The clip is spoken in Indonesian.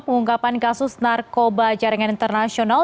pengungkapan kasus narkoba jaringan internasional